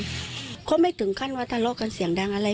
ก็ไม่ถึงขั้นว่าทะเลาะกันเสียงดังอะไร